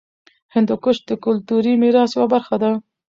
هندوکش د کلتوري میراث یوه برخه ده.